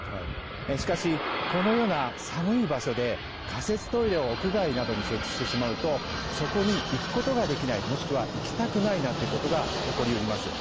しかし、このような寒い場所で仮設トイレを屋外などに設置してしまうと、そこに行くことができない、もしくは行きたくないなんてことが起こりうります。